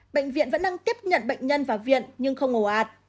bệnh viện vẫn đang tiếp nhận bệnh nhân vào viện nhưng không ổ ạt